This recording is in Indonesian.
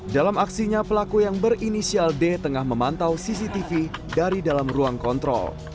dalam aksinya pelaku yang berinisial d tengah memantau cctv dari dalam ruang kontrol